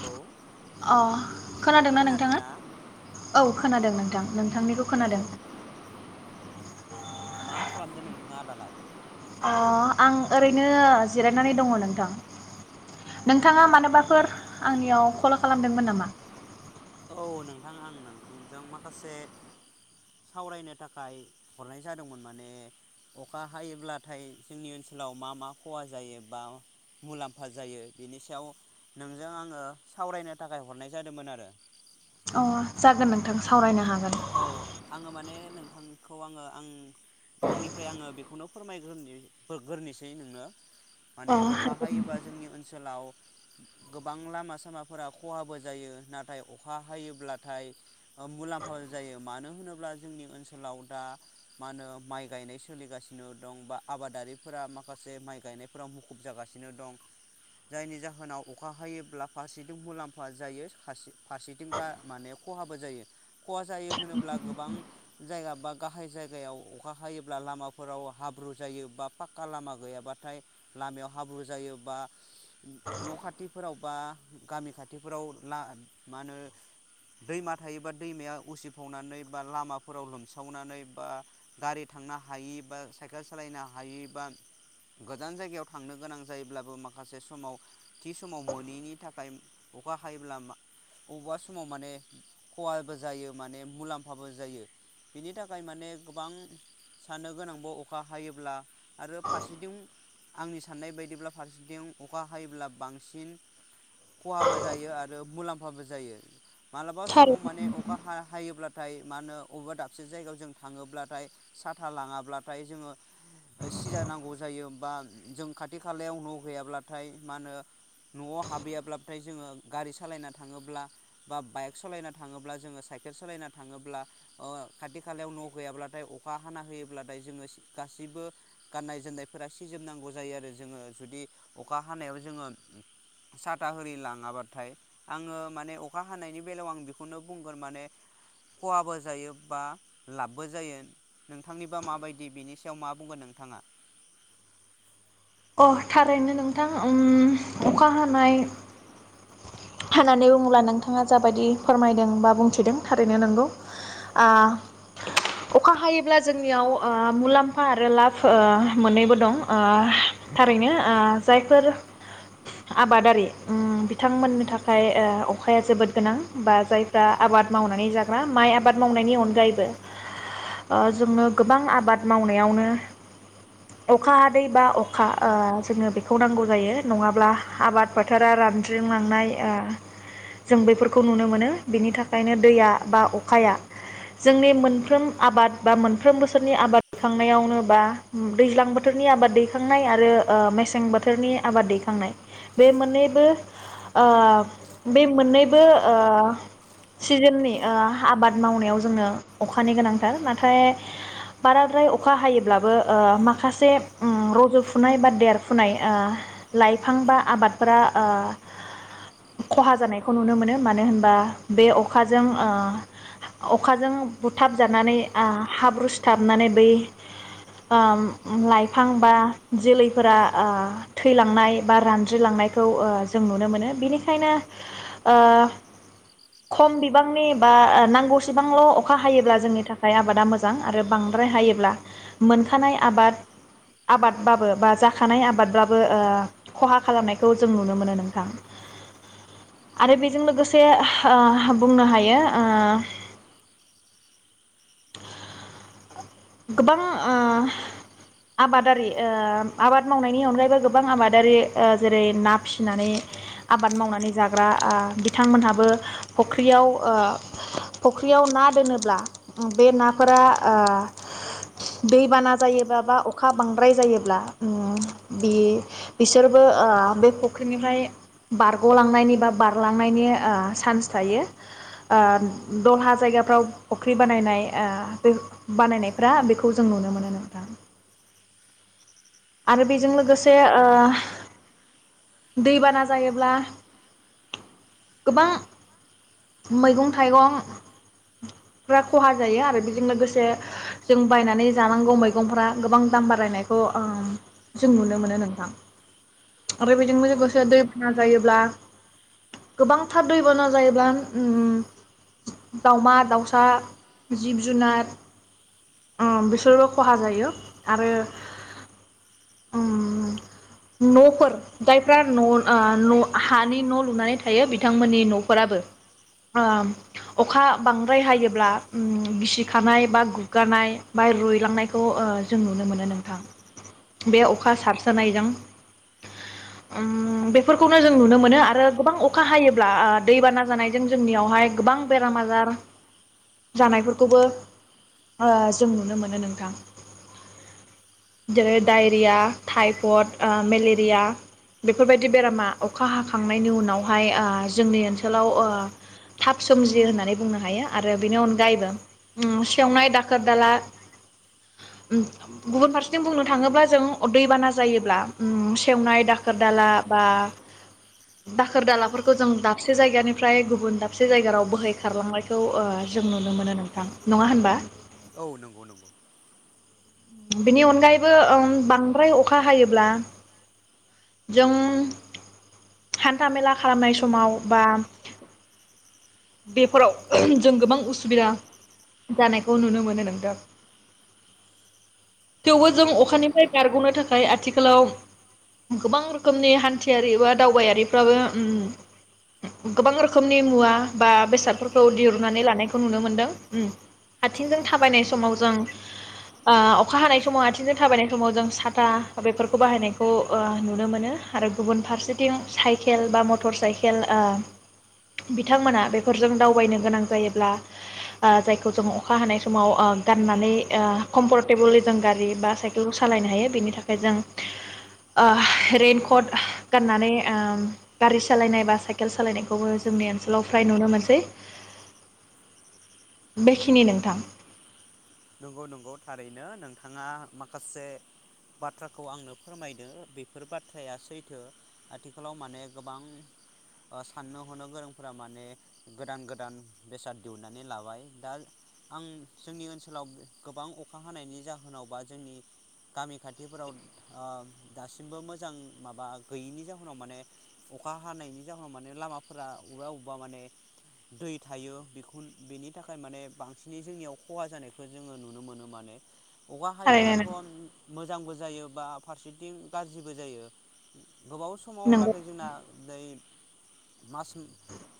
औ अ खोनादोंना नोंथाङा औ। खोनादों नोंथां। नोंथांनिखौ औ खोनादों। नोंथां मा खालामदो नोंथाङा दालाय? अ आं ओरैनो जिरायनानै दङ नोंथां नोंथाङा मानोबाफोर आंनियाव कल खालामदोंमोन नामा। औ नोंथां आं नोंथांजों माखासे सावरायनो थाखाय हरनाय जादोंमोन माने अखा हायोब्लाथाय जोंनि ओनसोलाव मा मा खहा जायो बा मुलाम्फा जायो बेनि सायाव नोंजों आङो सावरायनो थाखाय हरनाय जादोंमोन आरो। अ जागोन नोंथां सावरायनो हागोन। औ आङो माने नों। नोंथांखौ आङो आं। आंनिफ्राय आङो बेखौ। खौनो फोरमायग्रोनिसै नोंनो। अ माने अखा हागोन हायोबा जोंनि ओनसोलाव। गोबां लामा सामाफोरा खहाबो जायो नाथाय अखा हायोब्लाथाय मुलाम [unintelligible] जायो मानो मानो होनोब्ला जोंनि ओनसोलाव दा मा होनो माय गायनाय सोलिगासिनो दं बा आबादारिफोरा माखासे माय गायनायफोराव मुखुब जागासिनो दं जायनि जाहोनाव अखा हायोब्ला फारसेथिं मुलाम्फा जायो फारसेथिं माने खहाबो जायो। खहा जायो होनोब्ला गोबां जायगा बा गाहाय जायगायाव अखा हायोब्ला लामाफोराव हाब्रु जायो बा पाक्का लामा गैयाबाथाय लामायाव हाब्रु जायो बा। न'खाथिफोराव। बा गामि खाथिफोराव ना मा होनो दैमा थायोबा। दैमाया उसिफावनानै बा लामाफोराव लोमसावनानै बा गारि थांनो हायि बा साइकेल सालायनो हायि बा गोजान जायगायाव थांनो गोनां जायोब्लाबो माखासे समाव। थि समाव मोनिनि थाखाय। टायम अखा हायोब्ला मा अबा समाव माने। खहाबो जायो माने मुलाम्फाबो जायो बिनि थाखाय माने गोबां साननो गोनांबो अखा हायोब्ला। आरो फारसेथिं। आंनि साननाय बायदिब्ला फारसेथिं अखा हायोब्ला बांसिन खहाबो जायो आरो मुलाम खहाबो जायो मा समाव थारैनो माने अखा हा हायोब्ला ओमफाय मा होनो अबेबा दाबसे जायगायाव जों थाङोब्लाथाय साथा लाङाब्लाथाय जोङो सिजा नांगौ जायो बा जों खाथि खालायाव न'गैयाब्लाथाय मा होनो न'आव हाबहैयाब्लाथाय जोङो गारि सालायना थाङोब्ला बा बाइक सलायना थाङोब्ला जोङो साइखेल सालायना थाङोब्ला ओ खाथि खालायाव नं गैयाब्लाथाय अखा हाना होयोब्लाथाय जोङो सि गासिबो गाननाय जोमनायफोरा सिजोब नांगौ जायो आरो जोङो जुदि अखा हानायाव जों साथा होरि लाङाबाथाय आङो माने अखा हानायनि बेयाव आं बेखौनो बुंगोन माने खहाबो जायो बा लाबबो जायो नोंथांनिबा माबायदि बेनि सायाव मा बुंगोन नोंथाङा? अ थारैनो नोंथां अम अखा हानाय होननानै बुङोब्ला नोंथाङा जाबायदि फोरमायदों बा बुंथिदों थारैनो नोंगौ‌ आ अखा हायोब्ला जोंनियाव ओ मुलाम्फा आरो लाब ओ मोननैबो दं ओ थारैनो ओ जायफोर आबादारि अम बिथांमोननि थाखाय ओ अखाया जोबोद गोनां बा जायफ्रा आबाद मावनानै जाग्रा माइ आबाद मावनायनि अनगायैबो ओ जोंनो गोबां आबाद मावनायावनो अखा हादै बा अख अखा ओ जोङो बेखौ नांगौ जायो नङाब्ला आबाद फोथारा रानज्रिंलांनाय ओ जों बैफोरखौ नुनो मोनो बिनि थाखायनो दैया बा अखाया जोंनि मोनफ्रोम आबाद बा मोनफ्रोम बोसोरनि आबाद दैखांनायावनो बा अम दैज्लां बोथोरनि आबाद दै खांनाय आरो ओ मेसें बोथोरनि आबाद दैखांनाय बे मोननैबो ओ बे मोननैबो ओ सिजोननि ओ आबाद मावनायाव जोंनो अखानि गोनांथार नाथाय बाराद्राय अखा हायोब्लाबो ओ माखासे अम र जुफुनाय बा देरफुनाय ओ लाइफां बा आबादफोरा ओ खहा जानायखौ नुनो मोनो मानो होनबा बे अखाजों ओ अखाजों बुथाब जानानै आ हाब्रु सिथाबनानै बै ओ लाइफां बा जोलैफोरा ओ थैलांनाय बा रानज्रिलांनायखौ ओ जों नुनो मोनो बिनिखायनो ओ खम बिबांनि बा ओ नांगौसेबांल अखा हायोब्ला जोंनि थाखाय आबादा मोजां आरो बांद्राय हायोब्ला मोनखानाय आबाद-आबाद बाबो बा जाखानाय आबादब्लाबो ओ खहा खालामनायखौ जों नुनो मोनो नोंथां आरो बेजों लोगोसे ओ बुंनो हायो ओ [inaudible] गोबां ओ आबादारि ओ आबाद मावनायनि अनगायैबो गोबां आबादारि ओ जेरै ना फिसिनानै आबाद मावनानै जाग्रा ओ बिथांमोनहाबो फख्रियाव ओ फख्रियाव ना दोनोब्ला बे नाफोरा ओ दै बाना जायो बा-बा अखा बांद्राय जायोब्ला अम बि बिसोरबो ओ बे फख्रिनिफ्राय बारगलांनायनि बा बारलांनायनि ओ सान्स थायो ओ दहा जायगाफ्राव फख्रि बानायनाय ओ बे बानायनाय फ्रा बेखौ जों नुनो मोनो नोंथां। आरो बेजों लोगोसे ओ दैबाना जायोब्ला गोबां मैगं थाइगंफ्रा खहा जायो आरो बेजों लोगोसे जों बायनानै जानांगौ मैगंफ्रा गोबां दाम बारायनायखौ ओ जों नुनो मोनो नोंथां। ओरैबायदि मो औ लोगोसे दै जायोब्ला गोबांथार दैबाना जायोब्ला अम दावमा दावसा जिब जुनार ओ बिसोरबो खहा जायो आरो अम न'फोर जायफ्रा न ओ न हानि न'लुनानै थायो बिथांमोननि न'फोराबो ओ अखा बांद्राय हायोब्ला अम गिसिखानाय बा गुग्गानाय बा रुयलांनायखौ ओ जों नुनो मोनो नोंथां बे अखा सारस्रोनाय जों अम बेफोरखौनो जों नुनो मोनो आरो गोबां अखा हायोब्ला ओ दैबाना जानाय जों जोंनियावहाय गोबां बेराम आजार जानायफोरखौबो ओ जों नुनो मोनो नोंथां जेरै दायरिया थाइफड ओ मेलेरिया बेफोरबायदि बेरामा अखा हाखांनायनि उनावहाय ओ जोंनि ओनसोलाव ओ थाब सोमजियो होननानै बुंनो हायो आरो बेनि अनगायैबो अम सेवनाय दाखोर दाला गुबुन अम फारसेथिं बुंनो थाङोब्ला जों दैबाना जायोब्ला अम सेवनाय दाखोर दाला बा दाखोर दालाफोरखौ जों दाबसे जायगानिफ्राय गुब गुबुन दाबसे जायगाव राव बोहै खारलांनायखौ ओ जों नुनो मोनो नोंथां नङा होनबा? औ नंगौ-नंगौ बिनि अनगायैबो ओ बांद्राय अखा हायोब्ला जों हान्था मेला खालामनाय समाव बा बेफोराव जों गोबां उसुबिदा जानायखौ नुनो मोनो नोंथां थेवबो जों नंगौ अखानिफ्राय बारगनो थाखाय आथिखालाव गोबां रोखोमनि हान्थियारि बा दावबायारिफ्राबो अम गोबां रोखोमनि मुवा बा बेसादफोरखौ दिरुननानै लानायखौ नुनो मोनदों अम आथिंजों थाबायनाय समाव जों ओ अखा हानाय समाव आथिंजों थाबायनाय समाव जों साथा बेफोरखौ बाहायनायखौ ओ नुनो मोनो आरो गुबुन फारसेथिं साइकेल बा मटर साइकेल ओ ब बिथांमोना बेफोरजों दावबायनो गोनां जायोब्ला जायखौ जों अखा हानाय समाव गाननानै कम्फर्ट टेबललि जों गारि बा साइकेलखौ सालायनो हायो बेनि थाखाय ओ जों ओ रइनकट गाननानै ओ गारि सालायनाय बा साइकेल सालायनायखौबो जोंनि ओनसोलाव फ्राय नुनो मोनसै बेखिनि नोंथां नंगौ नंगौ थारैनो नोंथाङा माखासे बाथ्राखौ आंनो फोरमायदों बेफोर बाथ्राया सैथो आथिखालाव माने गोबां ओ साननो हनो गोरोंफोरा माने गोदान गोदान बेसाद दिहुनन्नानै लाबाय दा आं जोंनि ओनसो ओनसोलाव गोबां अखा हानायनि जाहोनाव बा जोंनि गामि खाथिफोराव ओ दासिमबो मोजां माबा गैयिनि जाहोनाव माने अखा हानायनि जाहोनाव माने लामाफोरा बबेबा बबेबा माने दै थायो बेखौ बेनि थाखाय माने बांसिनै जोंनियाव खहा जानायखौ बेखौ जोङो नुनो मोनो माने अखा हायोब्लाथ थारैनो मोज मोजांबो जायो बा फारसेथिं गाज्रिबो जायो गोबाव समाव नोंगौ लागै जोंना दैै मास मो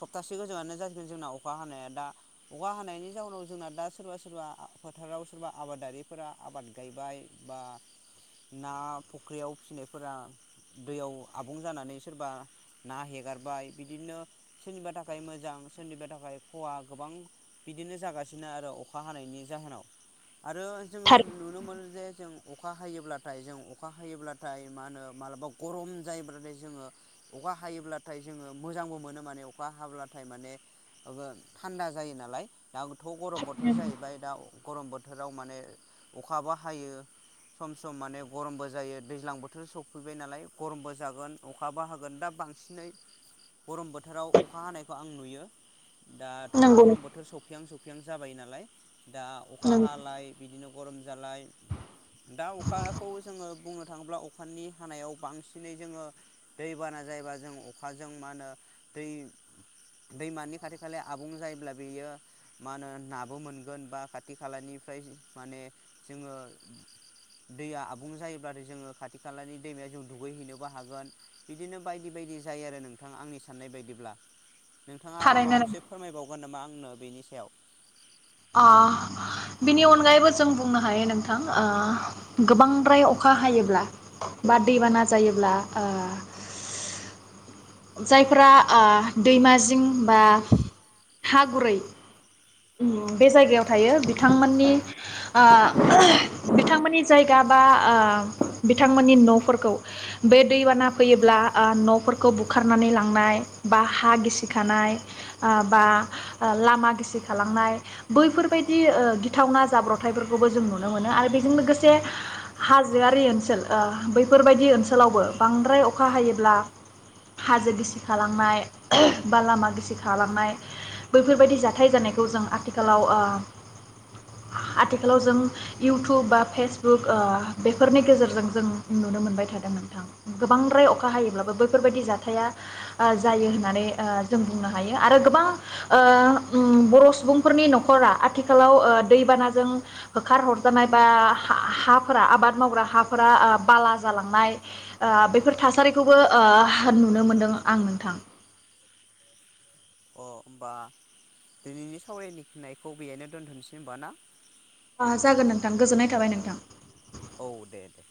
सप्ता एसे गोजाङानो जासिगोन जोंना अखा हानाया दा अखा हानायनि जाउनाव जोंना दा सोरबा सोरबा फोथाराव सोरबा आबादारिफोरा आबाद गायबाय बा ना फख्रियाव फिनायफोरा दैयाव आबुं जानानै सोरबा ना हेगारबाय बिदिनो सोरनिबा थाखाय मोजां सोरनिबा थाखाय खवा गोबां बिदिनो जागासिनो आरो अखा हानायनि जाहोनाव आरो जोङो नुनो मोनो जे जों अखा हायोब्लाथाय जों अखा हायोब्लाथाय मा होनो मालाबा गरम जायोब्लाथाय जोङो अखा हायोब्लाथाय जोङो मोजांबो मोनो माने अखा हाब्लाथाय माने ओ थान्दा जायो नालाय दा थ गरम बोथोर थारैनो जाहैबाय गरम बोथोराव माने अखाबो हायो सम सम माने गरमबो जायो दैज्लां बोथोर सफैबाय नालाय गरमबो जागोन अखाबो हागोन दा बांसिनै गरम बोथोराव अखा हानायखौ आं नुयो दाथ नंगौ गरम बोथोर सफैहां सौफैहां दैज्लां जाबाय नालाय दा अखा नंगौ हालाय बिदिनो गरम जालाय दा अखाखौ जोङो बुंनो थाङोब्ला अखानि हानायाव बांसिनै जोङो दैबाना जायोबा जों अखाजों मा होनो दै दैमानि खाथि खालाया आबुं जायोब्ला बेयो मा होनो नाबो मोन गोन बा खाथि खालानिफ्राय माने जोङो दैया आबुं जायोब्लाथाय जोङो खाथि खालानि दैमायाव जों दुगैहैनोबो हागोन बिदिनो बायदि बायदि जायो आरो नोंथां आंनि साननाय बायदिब्ला। नोंथाङा आरो माबा थारैनो मोनसे फोरमायबावगोन नामा आं बुनो बेनि सायाव ओ बिनि अनगायैबो जों बुंनो हायो नोंथां ओ गोबांद्राय अखा हायोब्ला बा दैबाना जायोब्ला ओ जायफोरा ओ दैमाजिं बा हागुरै उम बे जायगायाव थायो बिथांमोननि ओ बिथांमोननि जायगा बा ओ बिथांमोननि नफोरखौ बे दैबाना फैयोब्ला ओ नफोरखौ बु हुखारनानै लांनाय बा हा गिसिखानाय ओ बा लामा गिसिखालांनाय बैफोरबायदि गिथावना जाब्रबथायाइफोरखौबो जों नुनो मोनो आरो बेजों लोगोसे हाजोआरि ओनसोल ओ बैफोरबायदि ओनसोलावबो बांद्राय अखा हायोब्ला हाजो गिसिखालांनाय बा लामा गिसिखालांनाय बैफोरबायदि जाथाय जानायखौ जों आथिखालाव ओ आथिखालाव जों इउटुब बा फेसबुक ओ बेफोरनि गेजेरजों जों नुनो मोनबाय थादों नोंथां गोबांद्राय अखा हायोब्लाबो बैफोरबायदि जा थाया जायो ओ होननानै ओ जों बुंनो हायो आरो गोबां ओ बर‌ सुबुंफोरनि नखरा आथिखालाव ओ दैबानाजों होखार हरजानाय बा हाफोरा आबाद मावग्रा हाफोरा ओ बाला जालांनाय ओ बेफोर थासारिखौबो ओ थार नुनो मोन्दों आं नोंथां। अ होमबा दिनैनि सावरायनिनायखौ बेहायनो दोन्थनोसै हबा ना ओ जागोन नोंथां गोजोननाय थाबाय नोंथां। औ दे दे